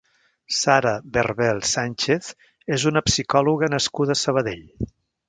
Sara Berbel Sánchez és una psicòloga social nascuda a Sabadell.